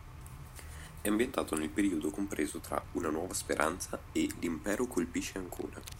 È ambientato nel periodo compreso tra "Una nuova speranza" e "L'Impero colpisce ancora".